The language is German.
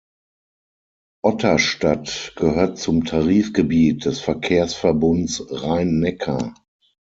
Otterstadt gehört zum Tarifgebiet des Verkehrsverbunds Rhein-Neckar.